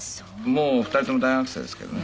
もう２人とも大学生ですけどね。